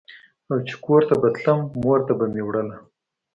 او چې کور ته به تلم مور ته به مې وړله.